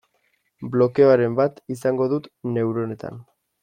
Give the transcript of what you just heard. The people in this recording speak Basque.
Blokeoren bat izango dut neuronetan.